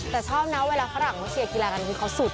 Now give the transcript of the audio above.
แต่ชอบนะเวลาฝรั่งเจอกีลากับเขาสุด